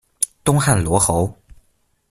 东汉罗侯。